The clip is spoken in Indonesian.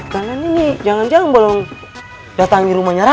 kalian ini jangan jangan belum datangi rumahnya rara kan